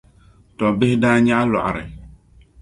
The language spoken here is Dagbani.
tɔbbihi daa nyaɣi lɔɣiri.